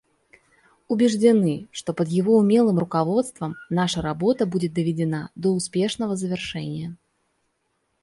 Убеждены, что под его умелым руководством наша работа будет доведена до успешного завершения.